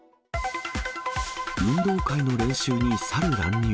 運動会の練習にサル乱入。